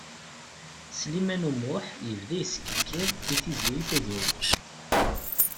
Sliman U Muḥ yebda yeskikiḍ i Tiziri Tagawawt.